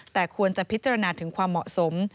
แต่ควรจะพิจารณาถึงความเหมาะสม